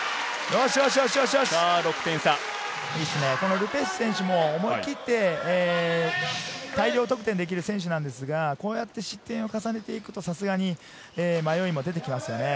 ル・ペシュ選手も思い切って大量得点できる選手なんですが、こうやって失点を重ねて行くとさすがに迷いも出てきますね。